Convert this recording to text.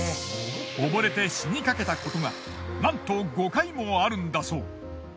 溺れて死にかけたことがなんと５回もあるんだそう。